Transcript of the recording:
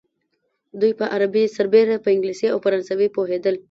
دوی په عربي سربېره په انګلیسي او فرانسوي پوهېدل.